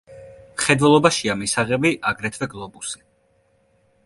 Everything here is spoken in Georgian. მხედველობაშია მისაღები აგრეთვე გლობუსი.